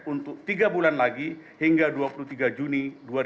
untuk tiga bulan lagi hingga dua puluh tiga juni dua ribu dua puluh